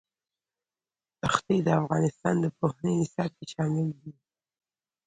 ښتې د افغانستان د پوهنې نصاب کې شامل دي.